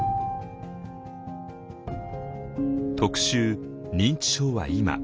「特集認知症は今」。